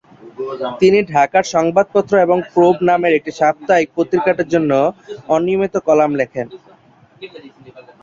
তিনি ঢাকার সংবাদপত্র এবং প্রোব নামের একটি সাপ্তাহিক পত্রিকাটির জন্য অনিয়মিত কলাম লেখেন।